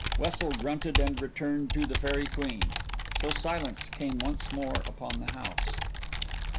Wessel grunted and returned to "The Faerie Queene"; so silence came once more upon the house.